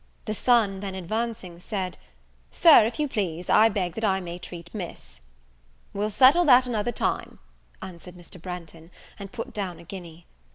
The son then advancing, said "Sir, if you please, I beg that I may treat Miss." "We'll settle that another time," answered Mr. Branghton, and put down a guinea.